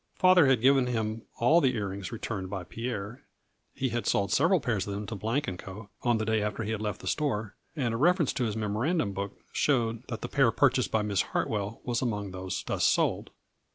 Father had given him all the ear rings returned by Pierre. He had sold several pairs of them to Blank & Co. on the day after he had left the store, and a reference to his memorandum book showed that the pair purchased by Miss Hartwell was among those thus sold.